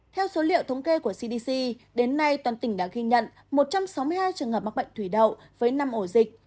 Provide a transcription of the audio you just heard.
theo số liệu thống kê của cdc đến nay toàn tỉnh đã ghi nhận một trăm sáu mươi hai trường hợp mắc bệnh thủy đậu với năm ổ dịch